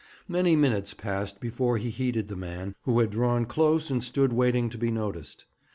Many minutes passed before he heeded the man, who had drawn close and stood waiting to be noticed.